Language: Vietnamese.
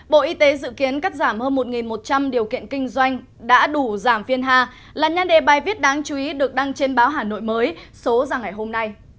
bộ y tế dự kiến cắt giảm hơn một một trăm linh điều kiện kinh doanh đã đủ giảm phiên hà là nhan đề bài viết đáng chú ý được đăng trên báo hà nội mới số ra ngày hôm nay